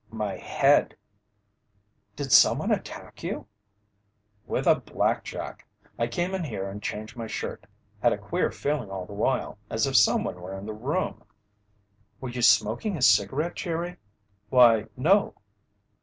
"Wow! My head!" "Did someone attack you?" "With a blackjack. I came in here and changed my shirt. Had a queer feeling all the while, as if someone were in the room." "Were you smoking a cigarette, Jerry?" "Why, no."